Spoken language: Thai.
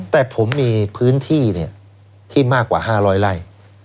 แต่ผมมีพื้นที่ที่มากกว่า๕๐๐ไร่